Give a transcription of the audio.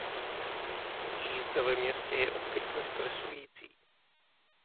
Jízda ve městě je obvykle stresující.